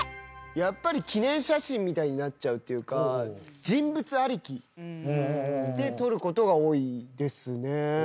やっぱり記念写真みたいになっちゃうっていうか人物ありきで撮ることが多いですね。